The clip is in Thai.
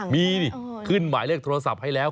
มีนี่ขึ้นหมายเลขโทรศัพท์ให้แล้ว